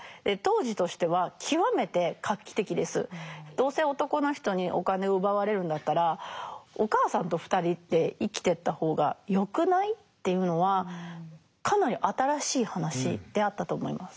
どうせ男の人にお金を奪われるんだったらお母さんと２人で生きてった方がよくない？っていうのはかなり新しい話であったと思います。